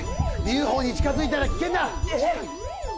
ＵＦＯに近づいたら危険だ！